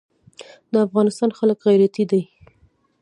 د افغانستان خلک غیرتي دي